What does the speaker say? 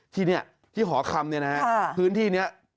ที่นี่ที่หอคำเนี่ยนะฮะพื้นที่นี้